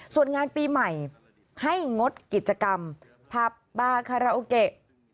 ส่วนงานปีใหม่ให้งดกิจกรรมผับบาคาราโอเกะ